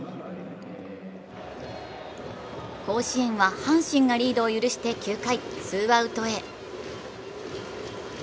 甲子園は阪神がリードを許して９回、ツーアウトへ。